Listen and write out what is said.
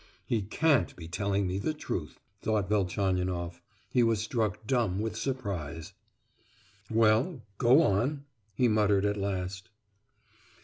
"He can't be telling me the truth!" thought Velchaninoff; he was struck dumb with surprise. "Well, go on!" he muttered at last.